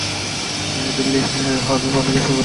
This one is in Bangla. তিনি নিউ দিল্লির আর্মি পাবলিক স্কুলে ভর্তি হন।